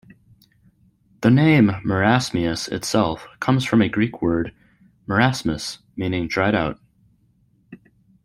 The name "Marasmius" itself comes from a Greek word "marasmos", meaning "drying out".